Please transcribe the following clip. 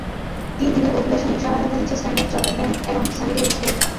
তিন দিনের অধিবেশনে সহায়তা দিচ্ছে স্ট্যান্ডার্ড চার্টার্ড ব্যাংক এবং সানিডেইল স্কুল।